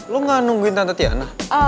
kenapa nungguin tante tiana